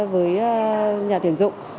với nhà tuyển dụng